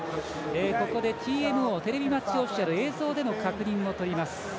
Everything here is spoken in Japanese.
ここでＴＭＯ＝テレビマッチオフィシャル映像での確認をとります。